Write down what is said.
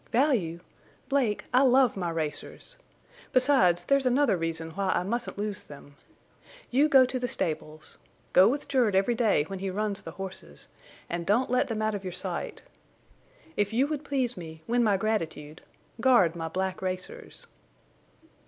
"Value! Blake, I love my racers. Besides, there's another reason why I mustn't lose them. You go to the stables. Go with Jerd every day when he runs the horses, and don't let them out of your sight. If you would please me—win my gratitude, guard my black racers."